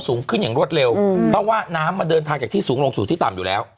สูงขึ้นอย่างรวดเร็วเพราะว่าน้ำมันเดินทางจากที่สูงลงสู่ที่ต่ำอยู่แล้ว